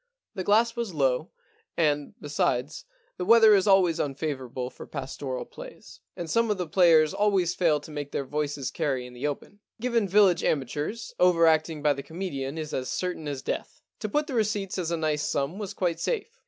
The glass was low, and, besides, the weather is always unfavourable for pastoral plays, and p.c. 173 M The Problem Club some of the players always fail to make their voices carry in the open. Given village amateurs, over acting by the comedian is as certain as death. To put the receipts as a nice sum was quite safe.